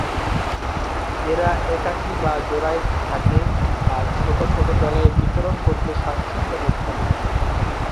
এরা একাকী বা জোড়ায় থাকে বা ছোট ছোট দলে বিচরণ করতে স্বাচ্ছন্দ্যবোধ করে।।